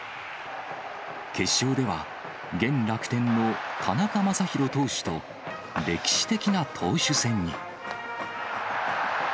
決勝では、現楽天の田中将大投手と歴史的な投手戦に。